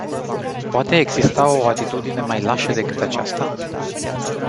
Poate exista o atitudine mai lașă decât aceasta?